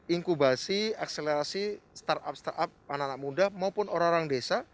inkubasi akselerasi startup startup anak anak muda maupun orang orang desa